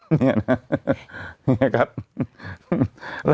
เนี่ยนะครับเนี่ยครับ